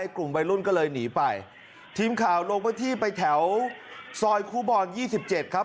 กลุ่มวัยรุ่นก็เลยหนีไปทีมข่าวลงพื้นที่ไปแถวซอยครูบอลยี่สิบเจ็ดครับ